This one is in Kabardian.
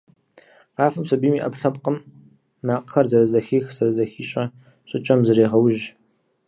Къафэм сабийм и Ӏэпкълъэпкъым, макъхэр зэрызэхих-зэрызыхищӀэ щӀыкӀэм зрегъэужь.